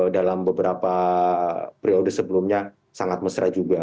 dalam beberapa periode sebelumnya sangat mesra juga